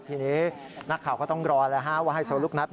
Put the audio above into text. ทีนี้นักข่าวก็ต้องรอว่าไฮโซลุ๊กนัท